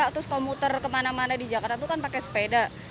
terus kalau muter kemana mana di jakarta itu kan pakai sepeda